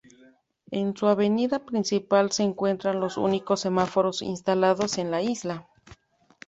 En su avenida principal se encuentran los únicos semáforos instalados en la isla.